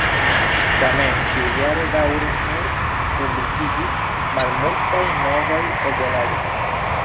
Tamen ĉiujare daŭre nur publikiĝis malmultaj novaj eldonaĵoj.